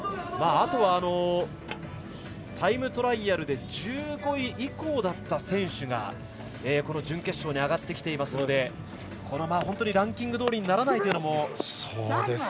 あとはタイムトライアルで１５位以降だった選手がこの準決勝に上がってきていますので本当にランキングどおりにならないというのも。